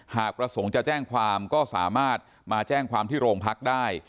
หากประสงค์จะแจ้งความก็สามารถมาแจ้งความที่โรงพักได้